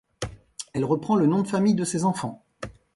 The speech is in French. Elle reprend le nom de famille de ses enfants.